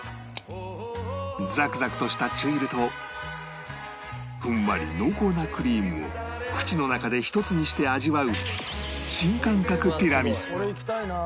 ザクザクとしたチュイルとふんわり濃厚なクリームを口の中で一つにして味わう